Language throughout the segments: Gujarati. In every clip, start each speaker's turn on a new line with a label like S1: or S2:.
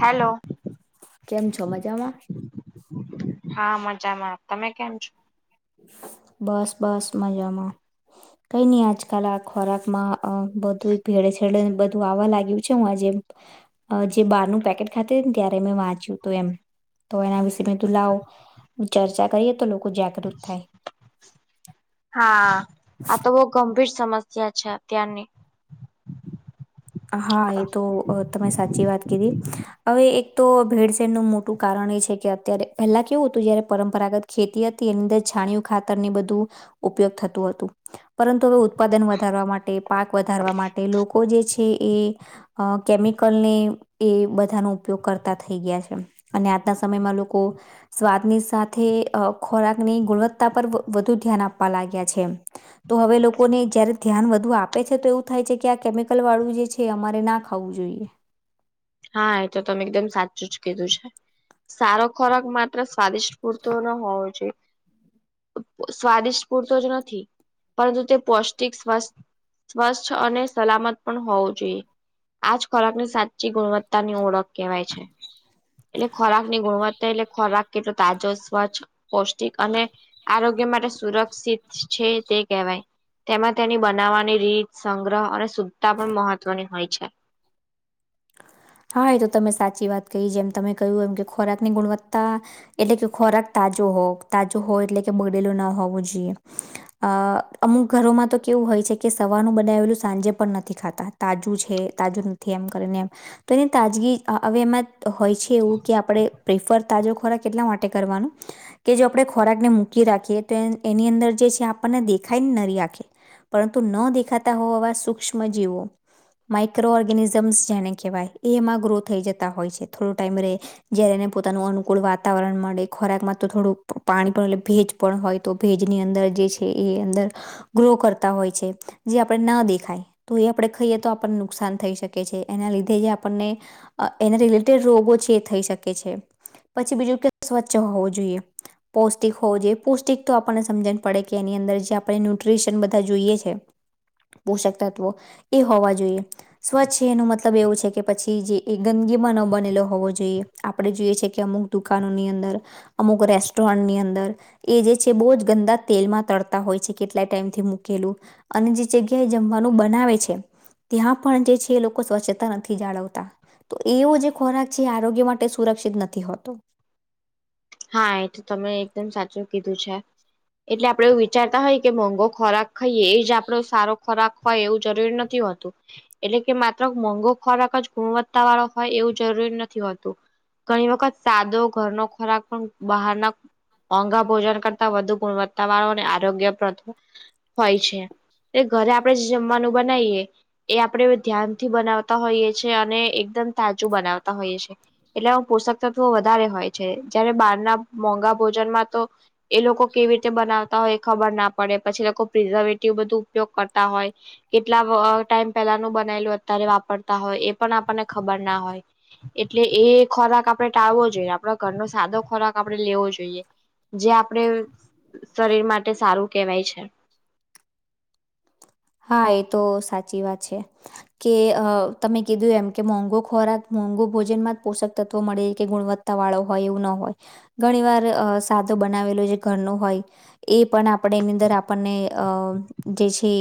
S1: હેલો.
S2: કેમ છો? મજામાં.
S1: હા, મજામાં તમે કેમ છો?
S2: બસ, બસ મજામાં કઈ નઈ આજકાલ આ ખોરાકમાં અ બધું ભેડે છેડેને, બધું આવવા લાગ્યું છે, હું આજે જે બાર નું પેકેટ ખાતે ને, ત્યારે મે વાંચ્યું હતું, એમ તો એના વિશે મે તું લાવ ચર્ચા કરીએ, તો લોકો જાગૃત થાય.
S1: આ તો બહુ ગંભીર છે અત્યારની.
S2: હા, એ તો તમે સાચી હવે એક તો ભેળસેેણનું મોટું કારણ એ છે કે, અત્યારે પહેલા કેવું હતું, જયારે પરંપરાગત ખેતી હતી, એની અંદર છાણયું ખાતર ની બધું ઉપયોગ થતું હતું, પરંતુ હવે ઉત્પાદન વધારવા માટે પાક વધારવા માટે લોકો જે છે, એ અ કેમિકલ ને એ બધાનો ઉપયોગ કરતા થઈ ગયા છે. અને આજના સમયમાં લોકો સ્વાદની સાથે ખોરાક ની ગુણવત્તા પર વધુ ધ્યાન આપવા લાગ્યા છે. તો હવે લોકોને જયારે ધ્યાન વધુ આપે છે, તો એવું થાય છે કે, આ કેમિકલ વાળું જે છે, અમારે ના ખાવું જોઈએ.
S1: હા, એ તો તમે એકદમ સાચું જ કીધું છે, સારો ખોરાક મા સ્વાદિષ્ટ પૂરતો ન હોવો જોઈએ. સ્વાદિષ્ટ પૂરતો જ નથી, પરંતુ તે પૌષ્ટિક સ્વાસ્થ સ્વચ્છ અને સલામત પણ હોવું જોઈએ, આજ ખોરાક ની સાચી ગુણવત્તા પોતાની ઓળખ કહેવાય છે. એટલે ખોરાક ની ગુણવત્તા એટલે ખોરાક કેટલો તાજો સ્વ છે. પૌષ્ટિક અને આરોગ્ય માટે સુરક્ષિત છે, તે કહેવાય. તેમાં તેની બનાવવાની રીત સંગ્રહ અને શુદ્ધતા પણ મહત્વની હોય છે.
S2: હા, એ તો તમે સાચી વાત કહી, જેમ તમે કહ્યું એમ કે ખોરાક ની ગુણવત્તા એટલે કે ખોરાક તાજો હોવ તાજો હોવ, એટલે કે બગડેલું ના હોવું જોઈએ. અ અમુક ઘરોમાં તો કેવું હોય છે કે, સવારનું બનાવેલું સાંજે પણ નથી ખાતા. તાજું છે, તાજું નથી, એમ કરીને એમ. તો એની તાજગી હવે એમાં હોય છે, એવું કે આપણે પ્રિફર તાજો ખોરાક કેટલા માટે કરવાનું. કે જો આપણે ખોરાકને મૂકી રાખીએ તો, એની અંદર જે છે, આપણને દેખાય ને નરી આખે. પરંતુ ન દેખાતા હો, આવા સુૂક્ષ્મ જીવો માઈક્રો ઓર્ગેનિઝમ્સ જેને કહેવાય, એ એમાં ગ્રો થઈ જતા હોય છે, થોડો ટાઈમ ર જ્યારે ને અનુકૂળ વાતાવરણ મળે, ખોરાક માં તો થોડું પાણી પણ એટ પણ હોય ની અંદર જે છે, એ અંદર ગ્રો કરતા હોય છે. જે આપડણે ના દેખાય તો, એ આપડે ખાઈએ તો આપણને નુકસાન થઈ શકે છે, એના લીધે જે આપને એના રિલેટેડ રોગો છે, એ થઈ શકે છે. પછી બીજું કે સ્વચ્છ હોવું જોઈએ. પૌષ્ટિક હોવું જોઈએ, પૌષ્ટિક તો આપણને સમજને પડે કે, એની અંદર જે આપણે ન્યુટ્રીશન બધા જોઈએ છે. પોષક તત્વો એ હોવા જોઈએ, સ્વચ્છ એ ન મતલબ એવું છે કે. પછી જે એ ગંદગીમાં ન બનેલો હોવો જોઈએ, આપણે જોઈએ છે કે, અમુક દુકાનોની અંદર અમુક રેસ્ટોરન્ટની અંદર એ જે છે બહુ જ ગંદા તેલમાં તળતા હોય છે કેટલા ટાઈમથી મૂકેલું અને જે જગ્યાએ જમવાનું બનાવે છે ત્યાં પણ જે છે એ લોકો સ્વચ્છતા ન થી જાળવતા તો એવો જે ખોરાક છે એ આરોગ્ય માટે સુરક્ષિત નથી હોતો.
S1: હા એ તો તમે એકદમ સાચું કીધું છે. એટલે આપડે એવું વિચારતા હોય મોંઘો ખોરાક એજ આપડો સારો ખોરાક હોય એવું જરૂરી નથી હોતું. એટલે કે માત્ર મોંઘો ખોરાક જ ગુણવત્તા વાળો હોય એવું જરૂરી નથી હોતું. ઘણી વખત સાદો ઘરનો ખોરાક બહારના મોઘા ભોજન કરતા વધુ ગુણવત્તા વાળો ને આરોગ્યપ્રદ હોય છે એ ઘરે આપણે જમવાનું બનાવીએ. એ આપણેે ધ્યાનથી બનાવતા હોઈએ છીએ અને એકદમ તાજું બનાવતા હોઈએ છે એટલે પોષક તત્વો વધારે હોય છે જયારે બહાર ના મોંઘા ભોજનમાં તો એ લોકો કેવી રીતે બનાવતા હોય એ ખબર ના પડે પછી લોકો પ્રિઝર્વેટિવ બધું ઉપયોગ કરતા હોય કેટલા ટાઈમ પેલાનું બનાયલું અત્યારે વાપરતા હોય એ પણ આપણને ખબર ના હોય એટલે એ ખોરાક આપડે ટાળવો જોઈએ આપડા ઘરનો સાદો ખોરાક આપડે લેવો જોઈએ જે આપડે શરીર માટે સારું કેવાય છે.
S2: હા એ તો સાચી વાત છે. કે તમે કીધું એમ કે મોંઘો ખોરાક મોંઘો ભોજનમાં જ પોષક તત્વો મળે કે ગુણવ ત્તાવાળો હોય એવું ન હોય ઘણી વાર સાદો બનાવેલો જે ઘરનું હોય એ પણ આપડે એની અંદર આપણને અ જે છે.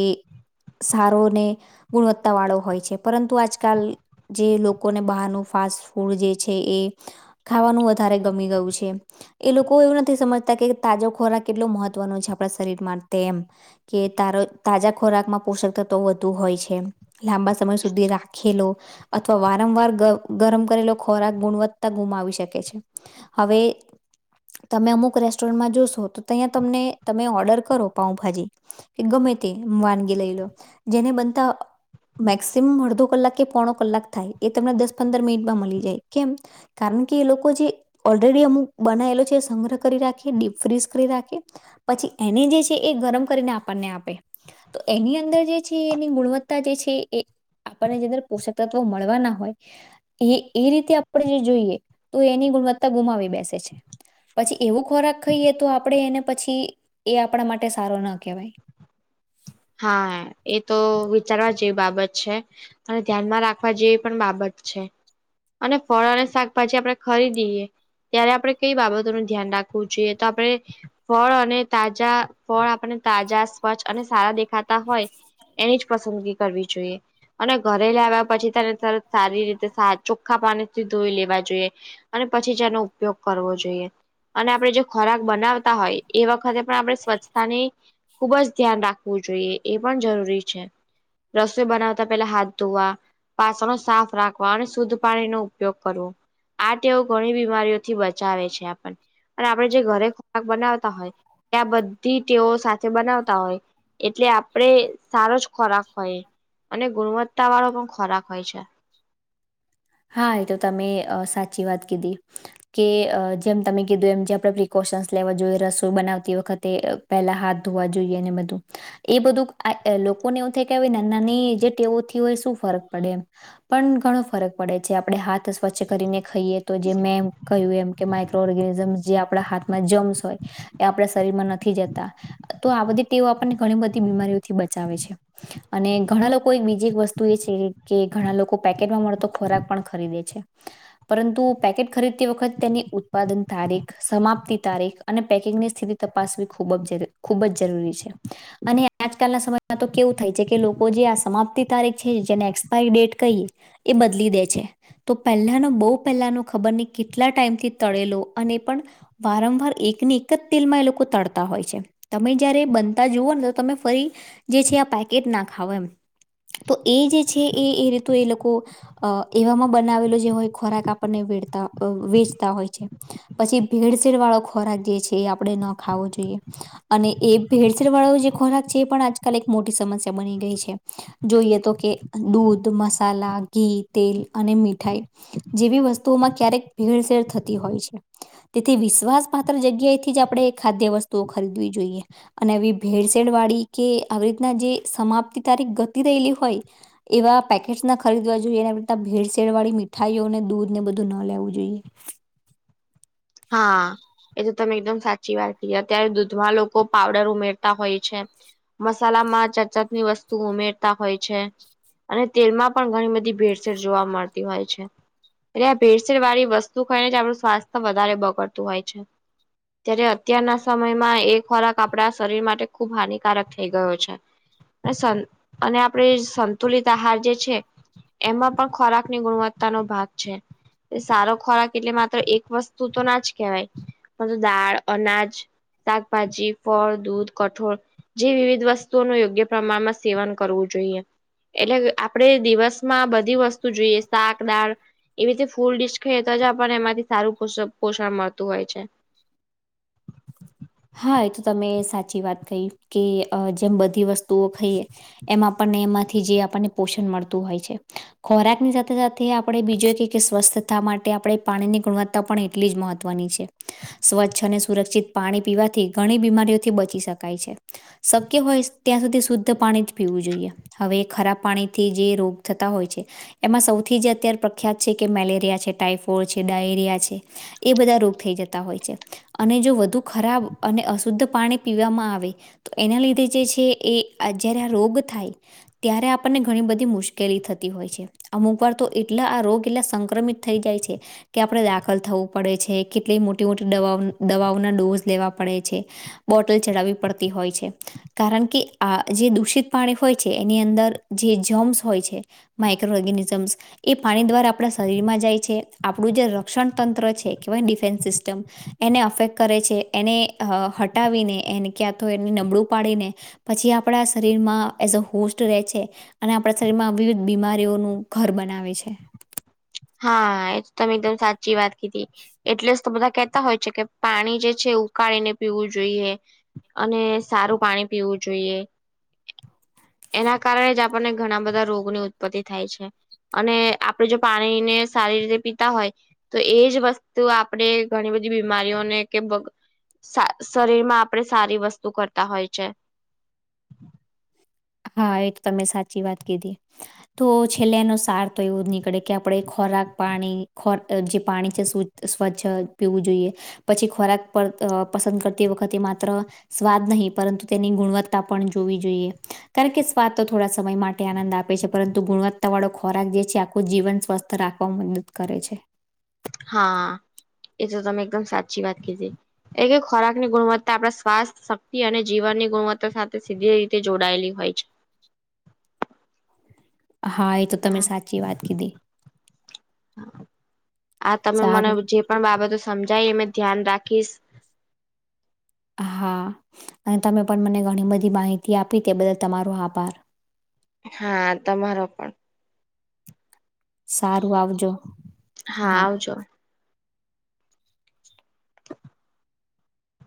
S2: સારો ને ગુણવત્તા વાળો હોય છે પરંતુ આજકાલ જે લોકોને બહારનું ફાસ્ટ ફૂડ જે છે એ ખાવાનું વધારે ગમી ગયું છે. એ લોકો એવું નથી સમજતા કે તાજો ખોરાક કેટલો મહત્વનો છે આપણા શરીર માટે એમ કે તારો તાજા પોષક વધુ હોય છે લાંબા સમય સુધી રાખેલો અથવા વારંવાર ગરમ કરેલો ખોરાક ગુણવત્તા ગુમાવી શકે છે. હવે તમે અમુક રેસ્ટોરન્ટમાં જોશો તો ત્યાંયા તમને તમે ઓર્ડર કરો પાઉભાજી ગમેતે વાનગી લઈ લો જેને બનતા મેક્સિમમ અડધો કલાક કે પોણો કલાક થાય એ તમને દસ પંદર મિનિટમાં મળી જાય કેમ કારણ કે એ લોકો જે ઓલરેડી અમુક બનાયેલો છે સંગ્રહ કરી રાખે ડીપ ફ્રીઝ કરી રાખે પછી એને જે છે એ ગરમ કરીને આપણને આપે તો એની અંદર જે છે એની ગુણવત્તા જે છે એ આપણને જે અંદર પોષક તત્વ મળવાના હોય એ એ રીતે આપણે જે જોઈએ તો એની ગુણવત્તા ગુમાવી બેસે છે. પછી એવું ખોરાક ખાઈએ તો આપડે એને પછી એ આપણા માટે સારો ના કહેવાય
S1: હા એ તો વિચારવા જેવી બાબત છે. અને ધ્યાન રાખવા જેવી પણ બાબત છે્ અને ફળ અને શાકભાજી આપણેે ખરીદીએ ત્યારે આપણે કઈ બાબતો નું ધ્યાન રાખવું જોઈએ તો આપણે ફળ અને તાજા ફળ આપણને તાજા સ્વચ્છ અને સારા દેખાતા હોય એનીજ પસંદગી કરવી જોઈએ અને ઘરે લાવ્યા પછી તેને તરત સારી રીતે ચોખ્ખા પાણીથી ધોઈ લેવા જોઈએ અને પછી જ એનો ઉપયોગ કરવો જોઈએ અને આપણે જો ખોરાક બનાવતા હોય એ વખતે પણ આપણે સ્વચ્છતાની ખુબ જ ધ્યાન રાખ વુ જોઈએ એ પણ જરૂરી છે રસોઈ બનાવતા પેલા હાથ ધોવા વાસણો સાફ રાખવા અને શુદ્ધ પાણી નો ઉપયોગ કરવો આ ટેવ ઘણી બીમારીઓથી બચાવે છે આપણને અને આપડે જે ઘરે ખોરાક બનાવતા હોય ત્યા બધી તેઓ સાથે બનાવતા હોય એટલે આપડે સારો જ ખોરાક હોય અને ગુણવત્તા વાળો પણ ખોરાક હોય છે
S2: હા એ તો તમે સાચી વાત કીધી કે જેમ તમે કીધું એમ જે આપણે પ્રિકોશન્સ લેવા જોઈએ રસોઈ બનાવતી વખતે પેહલા હાથ ધોવા જોઈએ ને બધું એ બધું લોકોને એવું થાય કે આવી નાની નાની જે ટેવોથી હોય શું ફરક પડે એમ પણ ઘણો ફરક પડે છે આપડે હાથ સ્વચ્છ કરીને ખાઈએ તો જે મેં એમ કહ્યું એમ કે માઇક્રો ઓર્ગેનિઝમ જે આપણા હાથ માં જમ્સ હોય એ આપણા શરીર માં નથી જતા. તો આ બધી ટેવ આપણને ઘણી બધી બીમારીઓથી બચાવે છે અને ઘણા લોકો બી જી વસ્તુ એ છે કે ઘણા લોકો પેકેટમાં મળતો ખોરાક પણ ખરીદે છે. પેકેટ ખરીદતી વખત ઉત્પાદન તારીખ સમાપ્તિ તારીખ અને પેકિંગની સ્થિતિ તપાસવી ખૂબ જ ખૂબ જ જરૂરી છે. અને આજકાલના સમયમાં તો કેવું થાય છે કે લોકો જે આ સમાપ્તી તારીખ છે જેને એક્સપાયરી ડેટ કહીએ. એ બધ લી દે છે તો પહેલાનો બહ પહેલા ન ખબર કેટલા ટાઈમથી તળેલો અને પણ વારંવાર એક ને એક જ તેલમાં એ લોકો તળતા હોય છે. તમે જયારે બનતા જુવઓ ને તો તમે ફરી જે છે આ પેકેટ ના ખાવ એમ. તો એ જે છે એ એ રીતુ એ લોકો અ એવામાં બનાવેલો જે હોય ખોરાક વેચતા હોય છે. પછી ભેળસેળ વાળો ખોરાક જે છે એ આપડે ન ખાવો જોઈએ. અને એ ભેળસેર વાળા જે ખોરાક છે એ પણ આજકાલ એક મોટી સમસ્યા બની ગઈ છે. જોઈએ તો કે દૂધ મસાલા ઘી તેલ અને મીઠાઈ જેવી વસ્તુઓમાં ક્યારેક ભેળસેેળ થતી હોય છે. તેથી વિશ્વાસ પાત્ર જગ્યાએથી જ આપણે ખાદ્ય વસ્તુઓ ખરીદવી જોઈએ. અને આવી ભેળસેળ વાળી કે આવી રીતના જે સમાપ્તિ તારી ગતિ રહેયલી હોય. પેકેટ્સ ના ખરીદવા ને ભેળસેળ વાળી મીઠાઈઓને દૂધ ને બધું ન લેવું જોઈએ.
S1: હા. એ તો તમે એકદમ સાચી વાત ક અત્યારે દૂધમાં લોકો પાવડર ઉમેરતા હોય છે. મસાલામાં ચચાની વસ્તુ ઉમેરતા હોય છે. અને તેલમાં પણ ઘણી બધી ભેળસેેળ જોવા મળતી હોય છે. એ આ ભેડસેર વાળી વસ્તુ ખાઈને આપણું સ્વાસ્થ્ય વધારે બગડતું હોય છે. ત્યારે અત્યારના સમયમાં એ ખોરાક આપણા શરીર માટે ખુબ હાનિકારક થઈ ગયો છે. અને આપડે સંતુલિત આહાર જે છે. એમાં પણ ખોરાક ની ગુણવત્તા નો ભાગ છે સારો ખોરાક એટલે માત્ર એક વસ્ તું તો ના જ કહેવાય તો દાળ અનાજ શાકભાજી ફળ દૂધ કઠોળ જે વિવિધ વસ્તુઓ ન યોગ્ય પ્રમાણમાં સેવન કરવું જોઈએ. એટલે આપડે દિવસમાં બધી વસ્તુ જોઈએ. શાક દાળ એવી રીતે ફૂલ ડીશ ખાઈએ તો જ આપણને એમાંથી સારું પોષ પોષણ મળતું હોય છે.
S2: હા એ તો તમે સાચી વાત કહી કે જેમ અહ બધી વસ્તુઓ ખાઈએ. એમાં પણ આપણને એમાંથી જે આપણને પોષણ મળતું હોય છે. ખોરાકની સાથે સાથે આપણે બીજું એક કે સ્વસ્થતા માટે આપડે પાણીની ગુણવત્ત તા એટલી જ મહત્વની છે. સ્વચ્છ અને સુરક્ષિત પાણી પીવા થી ઘણી બીમારીઓથી બચી શકાય છે શક્ય હોય ત્યાં સુધી શુદ્ધ પાણી જ પીવું જોઈએ. હવે ખરાબ પાણીથી જે રોગ થતા હોય છે. એમાં સૌથી જ અત્યારે પ્રખ્યાત છે કે મેલેરિયા છે ટાઈફોઇડ છે ડાયરિયા છે. એ બધા રોગ થઈ જતા હોય છે અને જો વધુ ખરાબ અને અશુદ્ધ પાણી પીવામાં આવે તો એના લીધે જે છે એ જય્યારે આ રોગ થાય ત્યારે આપણને ઘણી બધી મુશ્કેલી થતી હોય છે. અમુક વાર તો એટલા આ રોગ એટલા સંક્રમિત થઈ જાય છે. કે આપડે દાખલ થવું પડે છે કેટલી મોટી મોટી દવા દવાઓના ડોઝ લેવા પણે છે બોટલ ચડાવવી પડતી હોય છે. કારણ કે આ જે દૂષિત પાણી હોય છે એની અંદર જે જમ્સ હોય છે માઇક્રો ઓર્ગેનિઝમ્સ એ પાણી દ્વારા આપડા શરીરમાં જાય છે આપડું જે રક્ષણ તંત્ર છે કેહેવાય છે ને ડિફેન્સ સિસ્ટમ એને અફેક્ટ કરે છે એને હટાવીને એને ક્યાં તો એ નબળું પાડીને પછી આપડા શરીરમાં એઝ અ હોસ્ટ રહે છે અને આપડા શરીર માં વિવિધ બીમારીઓનું ઘર બનાવે છે.
S1: હા એ તો તમે સાચી વાત કીધી. એટલે જ તો બધા કેતા હોય છે કે પાણી જે છે ઉકાળીને પીવું જોઈએ. અને સારું પાણી પીવું જોઈએ. એના કારણે જ આપણને ઘણા બધા રોગની ઉત્પત્તિ થાય છે. અને આપડે પાણીને સારી રીતે પીતા હોય તો એજ વસ્તુ આપડે ઘણી બધી બીમારી ઓને કે બગ શ શરીર માં આપડે સારી વસ્તુ કરતા હોય છે.
S2: હા એ તો તમે સાચી વાત કીધી. તો છેલ્લે એનો સાર તો એવો જ નીકળે કે આપડે ખોરાક પાણી ખો અહ જે પાણી છે શું તો સ્વચ્છ અહ પીવું જોઈએ પછી ખોરાક પર અહ પસંદ કરતી એ વખતે માત્ર સ્વાદ નહીં પરંતુ તેની ગુણવત્તા પણ જોવી જોઈએ. કારણ કે સ્વાદ તો થોડા સમય માટે આનંદ આપે છે પરંતુ ગુણવત્તા વાળો ખોરાક જે છે આખું જીવન સ્વસ્થ ત રાખવાવામાં મદદ કરે છે.
S1: હા એ તો તમે એકદમ સાચી વાત કીધી. એ કે ખોરાકની ગુણવત્તા આપણા સ્વાસ્થ્ય શક્તિ અને જીવનની ગુણવત્તા સાથે સીધી રીતે જોડાયેલી હોય છે.
S2: હા એ તો તમે સાચી વાત કીધી.
S1: હા, આ તમે મને
S2: સારું
S1: જે પણ બાબતો સમજાય એ મેં ધ્યાન રાખીશ.
S2: હા અને તમે પણ મને ઘણી બધી માહિતી આપી તે બદલ તમારો આભાર.
S1: હા, તમારો પણ.
S2: સારું આવજો.
S1: હા, આવજો.